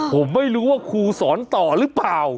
ผมไม่รู้ว่าครูสอนต่อหรือเปล่า